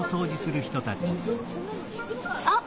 あっ！